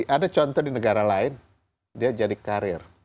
ada contoh di negara lain dia jadi karir